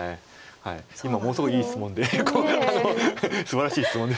今ものすごいいい質問ですばらしい質問で。